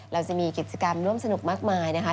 เราจะมีกิจกรรมร่วมสนุกมากมายนะคะ